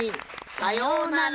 さようなら！